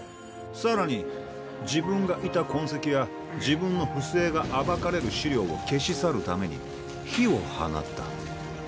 更に自分がいた痕跡や自分の不正が暴かれる資料を消し去るために火を放った。